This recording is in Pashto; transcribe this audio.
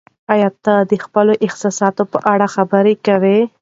ایا ته د خپلو احساساتو په اړه خبرې کوې؟